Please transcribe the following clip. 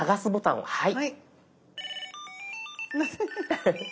はい。